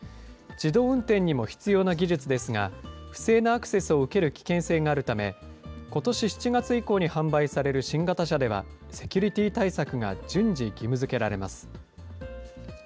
自動運転にも必要な技術ですが、不正なアクセスを受ける危険性があるため、ことし７月以降に販売される新型車では、セキュリティー対策が順次、義務づけられます。